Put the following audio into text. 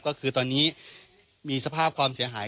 ก็คือตอนนี้มีสภาพความเสียหาย